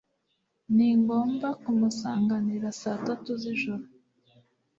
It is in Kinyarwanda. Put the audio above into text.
ningomba kumusanganira saa tatu zijoro